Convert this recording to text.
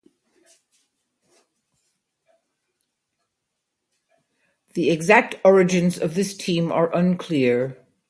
The exact origins of this team are unclear.